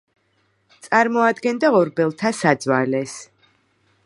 წარმოადგენდა ორბელთა საძვალეს.